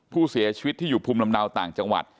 ผู้เสียชีวิตที่อยู่ภูมิลำเนาต่างจังหวัด